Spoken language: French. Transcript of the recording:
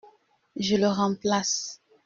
Je le remplace.